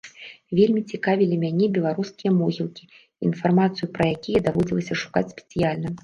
Вельмі цікавілі мяне беларускія могілкі, інфармацыю пра якія даводзілася шукаць спецыяльна.